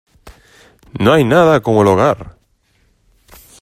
¡ No hay nada como el hogar !